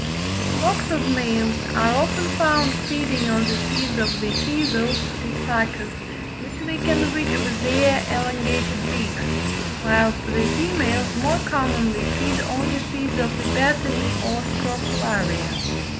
The flocks of males are often found feeding on the seeds of the teazle (Dipsacus), which they can reach with their elongated beaks, whilst the females more commonly feed on the seeds of the betony or Scrophularia.